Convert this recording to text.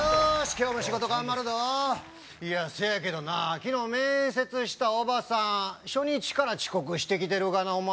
今日も仕事頑張るどーいやせやけどな昨日面接したおばさん初日から遅刻してきてるがなホンマ